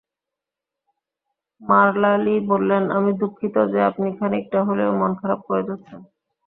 মারলা লি বললেন, আমি দুঃখিত যে আপনি খানিকটা হলেও মন খারাপ করে যাচ্ছেন।